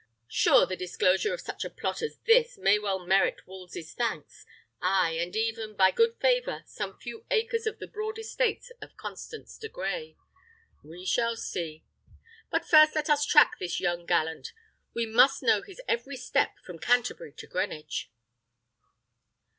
Sure the disclosure of such a plot as this may well merit Wolsey's thanks; ay, and even, by good favour, some few acres off the broad estates of Constance de Grey. We shall see. But first let us track this young gallant; we must know his every step from Canterbury to Greenwich."